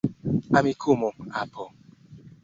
Amikumu, apo.